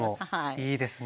いいですね。